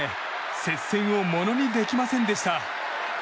接戦をものにできませんでした。